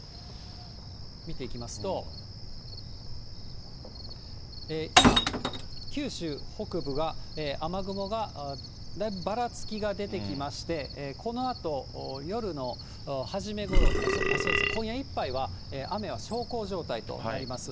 見ていきますと、今、九州北部が、雨雲がだいぶばらつきが出てきまして、このあと夜の初めごろ、今夜いっぱいは、雨は小康状態となります。